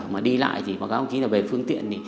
mà đi lại thì báo cáo ký về phương tiện